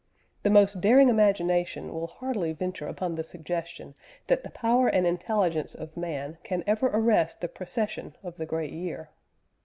The most daring imagination will hardly venture upon the suggestion that the power and intelligence of man can ever arrest the procession of the great year."